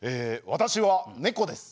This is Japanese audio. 私は猫です。